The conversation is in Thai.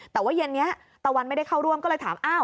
แต่ว่าเย็นนี้ตะวันไม่ได้เข้าร่วมก็เลยถามอ้าว